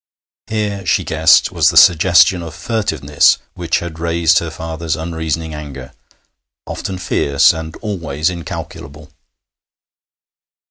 Here, she guessed, was the suggestion of furtiveness which had raised her father's unreasoning anger, often fierce, and always incalculable.